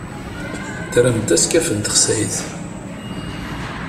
Tramt askaf n texsayt?